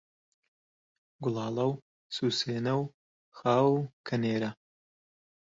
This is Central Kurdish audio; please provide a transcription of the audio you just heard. گوڵاڵە و سوێسنە و خاو و کەنێرە